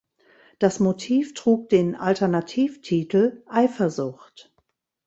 Das Motiv trug den Alternativtitel "Eifersucht".